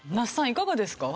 いかがですか？